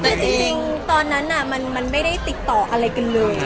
แต่จริงตอนนั้นมันไม่ได้ติดต่ออะไรกันเลย